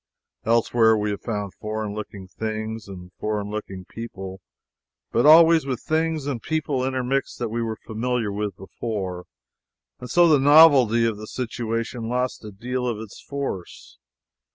Elsewhere we have found foreign looking things and foreign looking people, but always with things and people intermixed that we were familiar with before, and so the novelty of the situation lost a deal of its force.